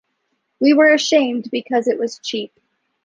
We were ashamed because it was cheap.